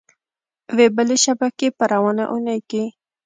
وې بلې شبکې په روانه اونۍ کې